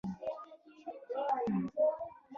پرون د احمد تخرګونه ښه لانده شول.